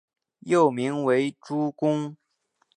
幼名为珠宫。